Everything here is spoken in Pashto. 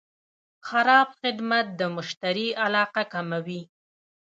خراب خدمت د مشتری علاقه کموي.